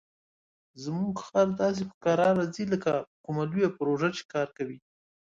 زموږ خر داسې په کراره ځي لکه په کومه لویه پروژه کار کوي.